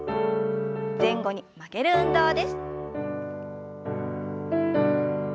前後に曲げる運動です。